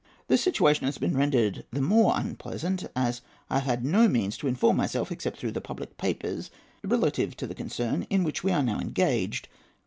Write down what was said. This situation has been rendered the more unpleasant, as I have had no means to inform myself, except through the public papers, relative to the concern in which we are now engaged.